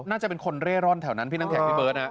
น่าจะเป็นคนเร่ร่อนแถวนั้นพี่น้ำแข็งพี่เบิร์ตนะ